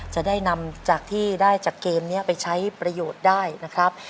จะได้นำจากที่ได้จากเกมนี้ไปใช้ประโยชน์ได้นะครับ